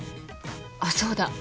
あっそうだ。